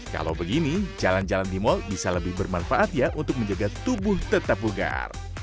kalau begini jalan jalan di mal bisa lebih bermanfaat ya untuk menjaga tubuh tetap bugar